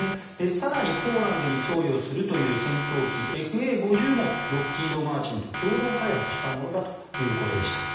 更に、ポーランドに供与するという戦闘機ＦＡ５０もロッキード・マーチンと共同開発したものだということでした。